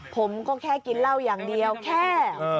ผมก็แค่กินเหล้าอย่างเดียวแค่